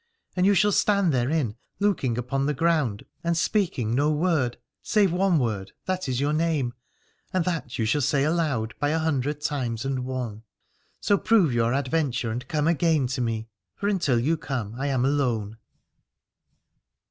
And you shall stand therein, look ing upon the ground and speaking no word save one word that is your name, and that you shall say aloud by a hundred times and one. So prove your adventure and come again to me ; for until you come I am alone.